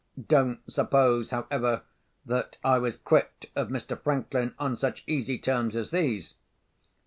Don't suppose, however, that I was quit of Mr. Franklin on such easy terms as these.